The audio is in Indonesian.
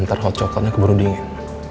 ntar hot chocolate nya keburu dingin